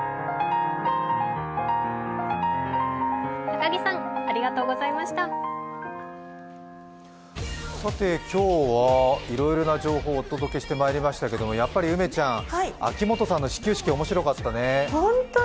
高木さん、ありがとうございました今日はいろいろな情報をお届けしてまいりましたけれどもやっぱり梅ちゃん、秋元さんの始球式、面白かったね。